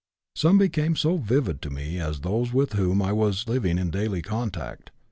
Some became as vivid to me as those with whom I was living in daily contact.